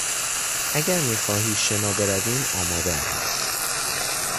اگر میخواهی شنا برویم آمادهام.